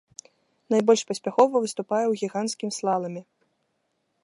Найбольш паспяхова выступае ў гіганцкім слаламе.